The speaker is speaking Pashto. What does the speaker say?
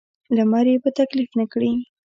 لمر یې په تکلیف نه کړي.